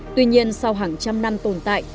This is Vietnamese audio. tuy nhiên sau hàng trăm năm tồn tại